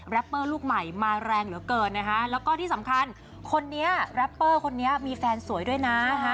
เปอร์ลูกใหม่มาแรงเหลือเกินนะคะแล้วก็ที่สำคัญคนนี้แรปเปอร์คนนี้มีแฟนสวยด้วยนะ